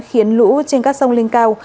khiến lũ trên các sông lên cao